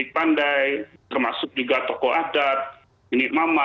bandai termasuk juga toko adat binit mama